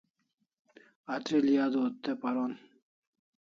Atril'i audua te paron